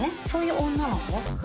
そういう女の子。